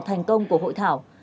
thành công của hội thảo